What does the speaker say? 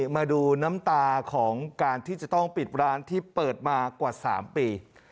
มาดูน้ำตาของการที่จะต้องปิดร้านที่เปิดมากว่า๓ปี